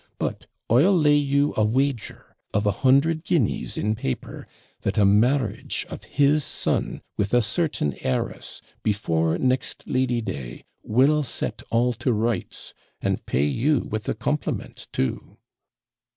But I'll lay you a wager of a hundred guineas in paper that a marriage of his son with a certain heiress, before next Lady day, will set all to rights, and pay you with a compliment too."'